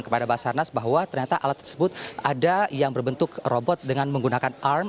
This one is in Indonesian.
kepada basarnas bahwa ternyata alat tersebut ada yang berbentuk robot dengan menggunakan arm